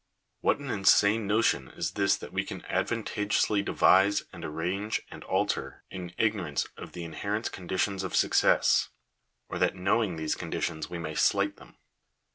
What an insane notion is this that we can advantageously de vise, and arrange, and alter, in ignorance of the inherent condi tions of success; or that knowing these conditions we may slight them